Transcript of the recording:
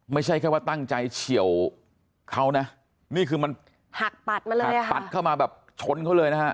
ไม่ใช่แค่ว่าตั้งใจเฉียวเขานะนี่คือมันหักปัดมาเลยค่ะปัดเข้ามาแบบชนเขาเลยนะฮะ